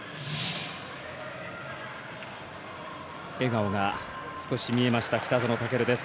笑顔が少し見えました北園丈琉です。